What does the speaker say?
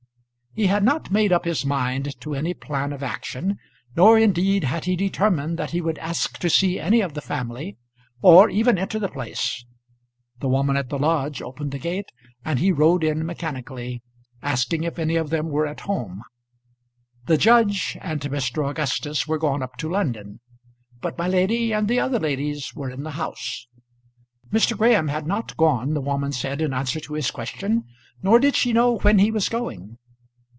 He had not made up his mind to any plan of action, nor indeed had he determined that he would ask to see any of the family or even enter the place. The woman at the lodge opened the gate, and he rode in mechanically, asking if any of them were at home. The judge and Mr. Augustus were gone up to London, but my lady and the other ladies were in the house. Mr. Graham had not gone, the woman said in answer to his question; nor did she know when he was going.